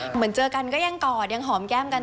เหมือนเจอกันก็ยังกอดยังหอมแก้มกัน